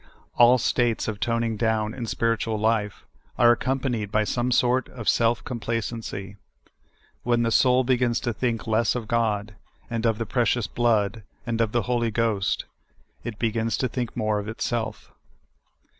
All states of toning down in spiritual life are accompanied b}^ some sort of self complacency. When the soul be gins to think less of God, and of the precious blood, and of the Holy Ghost, it begins to think more of itself.